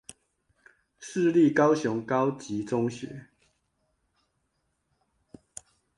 市立高雄高級中學